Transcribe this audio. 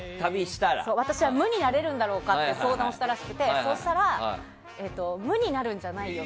私は無になれるんだろうかという相談をしていたらしくてそうしたら無になるんじゃないよ。